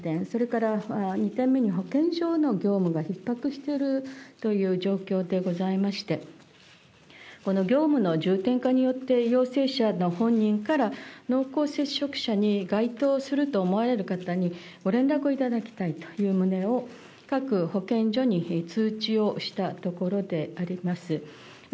それから２点目に、保健所の業務がひっ迫しているという状況でございまして、この業務の重点化によって陽性者の本人から濃厚接触者に該当すると思われる方に、ご連絡をいただきたいという旨を、各保健所に通知をしたところであります。